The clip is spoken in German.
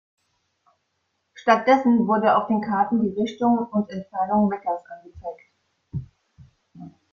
Stattdessen wurde auf den Karten die Richtung und Entfernung Mekkas angezeigt.